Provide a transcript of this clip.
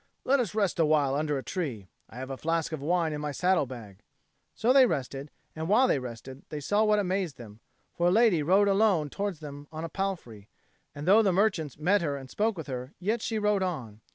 Let us rest awhile under a tree; I have a flask of wine in my saddle bag." So they rested; and while they rested, they saw what amazed them; for a lady rode alone towards them on a palfrey, and though the merchants met her and spoke with her, yet she rode on.